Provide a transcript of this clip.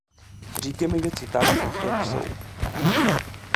Říkejme věci tak, jak jsou.